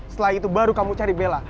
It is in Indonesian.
setelah itu baru kamu cari bella